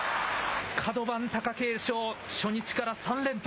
角番、貴景勝、初日から３連敗。